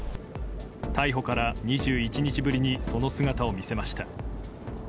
逮捕から２１日ぶりにその姿を見せました。